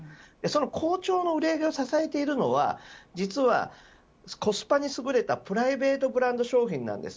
その好調の売り上げを支えているのはコスパにすぐれたプライベートブランド商品です。